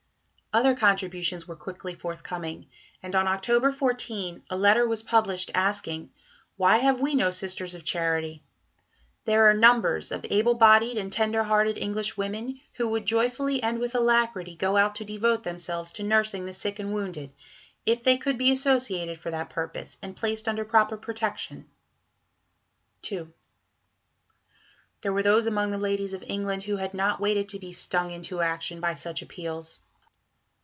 Other contributions were quickly forthcoming, and on October 14 a letter was published asking: "Why have we no Sisters of Charity? There are numbers of able bodied and tender hearted English women who would joyfully and with alacrity go out to devote themselves to nursing the sick and wounded, if they could be associated for that purpose, and placed under proper protection." For the actual number, see below, p. 149. II There were those among the ladies of England who had not waited to be stung into action by such appeals.